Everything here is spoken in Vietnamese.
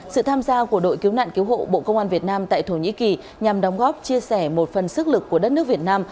sự tham gia của đội cứu nạn cứu hộ bộ công an việt nam tại thổ nhĩ kỳ nhằm đóng góp chia sẻ một phần sức lực của đất nước việt nam